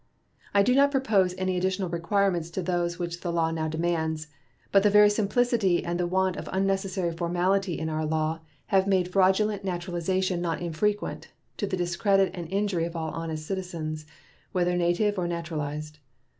I do not propose any additional requirements to those which the law now demands; but the very simplicity and the want of unnecessary formality in our law have made fraudulent naturalization not infrequent, to the discredit and injury of all honest citizens, whether native or naturalized.